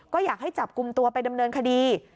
ก็อยากให้จับกลุ่มตัวไปดำเนินคดี